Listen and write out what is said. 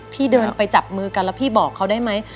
พี่เดินไปจับมือกันแล้วพี่บอกเขาได้ไหม